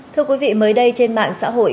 thưa quý vị mới đây trên mạng xã hội